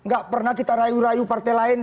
gak pernah kita rayu rayu partai lain